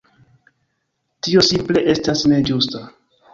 Tio simple estas ne ĝusta.